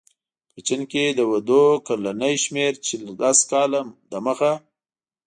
په چین کې د ودونو کلنی شمېر چې لس کاله مخې